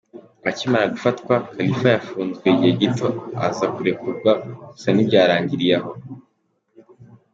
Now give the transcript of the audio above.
Akimara gufatwa, Khalifa yafunzwe igihe gito aza kurekurwa gusa ntibyarangiriye aho.